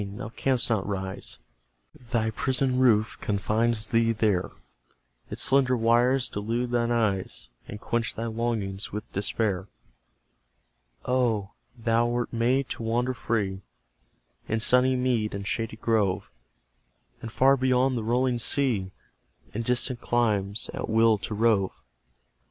Thou canst not rise: Thy prison roof confines thee there; Its slender wires delude thine eyes, And quench thy longings with despair. Oh, thou wert made to wander free In sunny mead and shady grove, And far beyond the rolling sea, In distant climes, at will to rove!